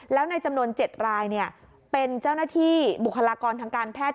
แล้วในจำนวน๗รายเป็นเจ้าหน้าที่บุคลากรทางการแพทย์